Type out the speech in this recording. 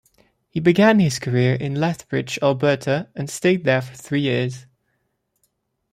He began his career in Lethbridge, Alberta, and stayed there for three years.